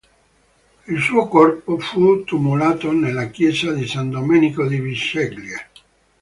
Il suo corpo fu tumulato nella chiesa di San Domenico di Bisceglie.